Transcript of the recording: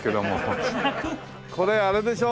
これあれでしょ？